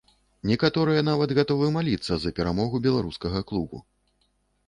Некаторыя нават гатовы маліцца за перамогу беларускага клубу.